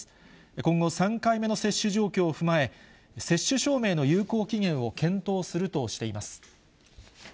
今後、３回目の接種状況を踏まえ、接種証明の有効期限を検討するとしています。